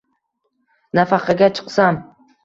Nafaqaga chiqsam…